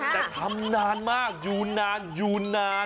แต่ทำนานมากอยู่นานอยู่นาน